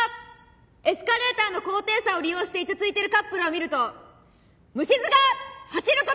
エスカレーターの高低差を利用していちゃついてるカップルを見るとむしずが走る事！